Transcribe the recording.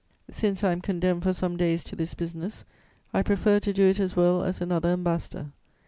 Since I am condemned for some days to this business, I prefer to do it as well as another ambassador.